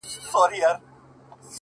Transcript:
تا ولې دا د دې دنيا جنت خاورې ايرې کړ;